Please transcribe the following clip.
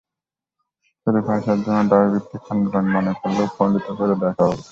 শুধু ভাষার জন্য দাবিভিত্তিক আন্দোলন মনে করলেও খণ্ডিত করে দেখা হবে।